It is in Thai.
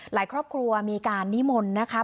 หลายครอบครัวมีการนิมนต์นะครับ